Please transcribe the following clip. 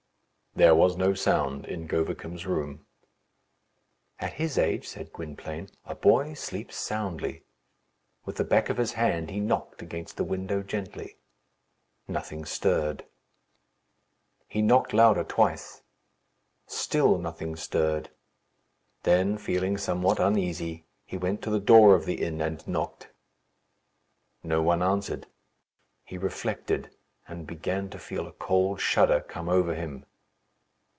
There was no sound in Govicum's room. "At his age," said Gwynplaine, "a boy sleeps soundly." With the back of his hand he knocked against the window gently. Nothing stirred. He knocked louder twice. Still nothing stirred. Then, feeling somewhat uneasy, he went to the door of the inn and knocked. No one answered. He reflected, and began to feel a cold shudder come over him.